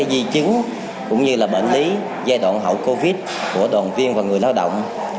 di chứng cũng như là bệnh lý giai đoạn hậu covid của đoàn viên và người lao động